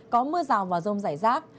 có mưa rào và rông rải rác